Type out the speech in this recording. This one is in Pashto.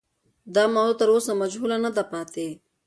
دا موضوع تر اوسه مجهوله نه ده پاتې.